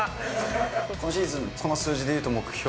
今シーズン、この数字でいうと目標？